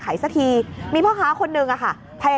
ก็ไม่มีอำนาจ